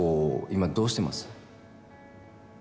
今どうしてます？